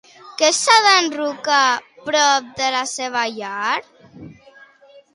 Què s'ha enderrocat prop de la seva llar?